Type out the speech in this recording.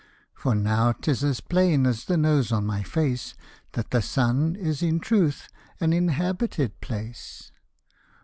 For now tis as plain as the nose on my face, That the sun is in truth an inhabited place!